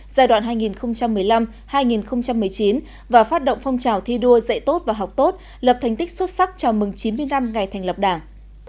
giai đoạn hai nghìn một mươi năm hai nghìn một mươi chín và phát động phong trào thi đua dạy tốt và học tốt lập thành tích xuất sắc chào mừng chín mươi năm ngày thành lập đảng